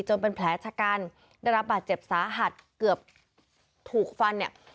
เป็นแผลชะกันได้รับบาดเจ็บสาหัสเกือบถูกฟันเนี่ย